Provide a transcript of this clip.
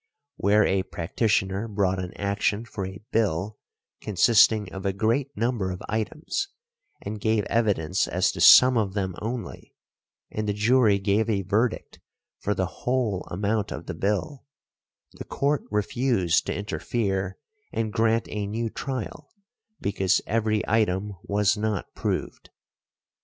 Where a practitioner brought an action for a bill consisting of a great number of items, and gave evidence as to some of them only, and the jury gave a verdict for the whole amount of the bill, the Court refused to interfere and grant a new trial because every item was not proved .